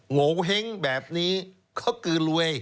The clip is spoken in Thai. โงเห้งแบบนี้เขากือรวย